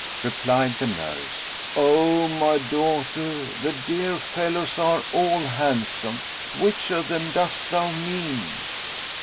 Replied the nurse, "O my daughter, the dear fellows are all handsome. Which of them dost thou mean?"